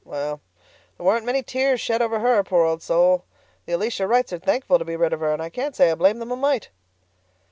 Well, there weren't many tears shed over her, poor old soul. The Elisha Wrights are thankful to be rid of her, and I can't say I blame them a mite."